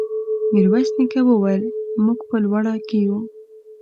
ميرويس نيکه وويل: موږ په لوړه کې يو.